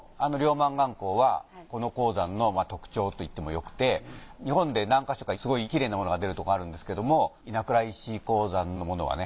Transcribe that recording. マンガン鉱はこの鉱山の特徴と言ってもよくて日本で何か所かすごいきれいなものが出るところあるんですけれども稲倉石鉱山のものはね